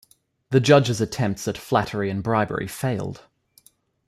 The judge's attempts at flattery and bribery failed.